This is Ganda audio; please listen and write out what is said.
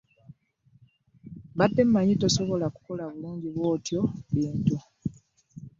Mbade manyi tosobola kukola bulungi bw'otyo bintu.